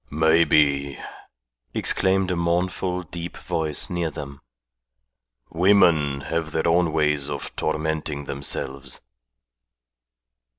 "Maybe!" exclaimed a mournful deep voice near them. "Women have their own ways of tormenting themselves."